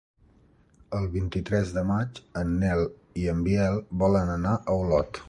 El vint-i-tres de maig en Nel i en Biel volen anar a Olot.